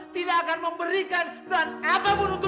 tidak akan memberikan dan apapun untuk